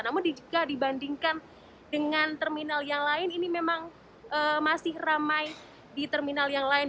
namun jika dibandingkan dengan terminal yang lain ini memang masih ramai di terminal yang lain